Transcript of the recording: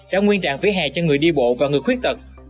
trả nguyên trạng vỉa hè cho người đi bộ và người khuyết tật